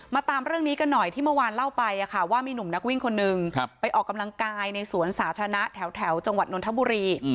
ตามเรื่องนี้กันหน่อยที่เมื่อวานเล่าไปว่ามีหนุ่มนักวิ่งคนนึงไปออกกำลังกายในสวนสาธารณะแถวจังหวัดนทบุรี